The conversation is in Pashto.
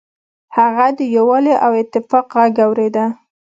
هغه د یووالي او اتفاق غږ اوریده.